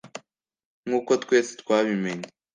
nkuko twese twabimenye,